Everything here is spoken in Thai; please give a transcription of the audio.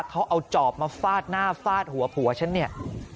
เขาเอาจอบมาฟาดหน้าฟาดหัวผัวฉันเนี่ย